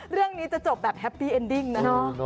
เรื่องนี้จะจบแบบแฮปปี้เอ็นดิ้งนะ